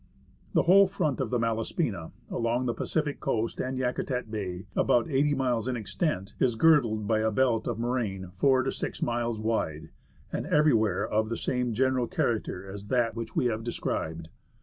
The whole front of the Malaspina, along the Pacific coast and Yakutat Bay — about 80 miles in extent — is girdled by a belt of moraine 4 to 6 miles wide, and everywhere of the same general character as that which we have described.